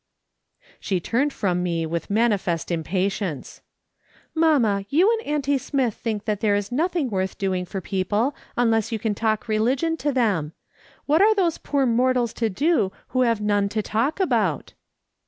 She turned from me with manifest impatience. " Mamma, you and auntie Smith think that there is nothing worth doing for people unless you can talk religion to them. What are those poor mortals to do who have none to talk about